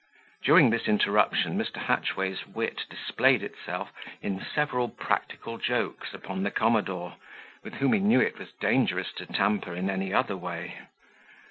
During this interruption, Mr. Hatchway's wit displayed itself in several practical jokes upon the commodore, with whom he knew it was dangerous to tamper in any other way.